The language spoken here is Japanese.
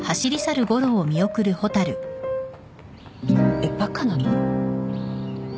えっバカなの？